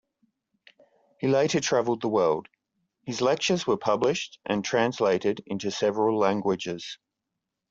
He later travelled the world; his lectures were published and translated into several languages.